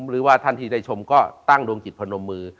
หรือว่าท่านที่ได้ชมก็ตั้งดวงจิตพนมมือ